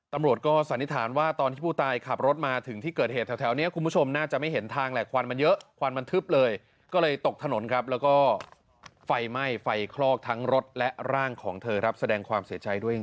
ตำรวจก็สันนิษฐานว่าตอนที่ผู้ตายขับรถมาถึงที่เกิดเหตุแถวนี้คุณผู้ชมน่าจะไม่เห็นทางแหละควันมันเยอะควันมันทึบเลยก็เลยตกถนนครับแล้วก็ไฟไหม้ไฟคลอกทั้งรถและร่างของเธอครับแสดงความเสียใจด้วย